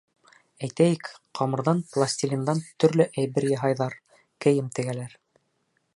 Әйтәйек, ҡамырҙан, пластилиндан төрлө әйбер яһайҙар, кейем тегәләр.